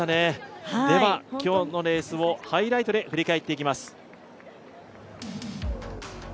今日のレースをハイライトで振り返っていきます。